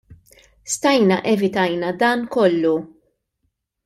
Stajna evitajna dan kollu.